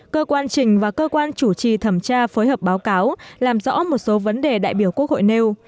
cơ quan trình và cơ quan chủ trì thẩm tra phối hợp báo cáo làm rõ một số vấn đề đại biểu quốc hội nêu